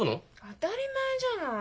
当たり前じゃない。